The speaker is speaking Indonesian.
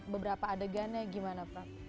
beberapa adegannya gimana pak